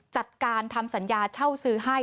จัดการทำสัญญาเช่าซื้อให้